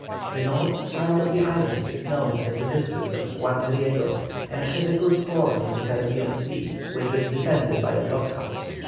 The north side of the island is known as the district of Juan Griego, and has a good port on the Carribean Sea, which is defended by a blockhouse.